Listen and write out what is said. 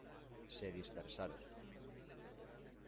se dispersaron.